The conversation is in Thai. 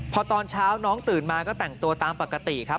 พอตอนเช้าน้องตื่นมาก็แต่งตัวตามปกติครับ